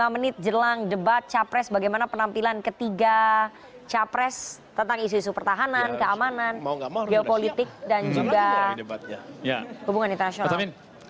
lima menit jelang debat capres bagaimana penampilan ketiga capres tentang isu isu pertahanan keamanan geopolitik dan juga hubungan internasional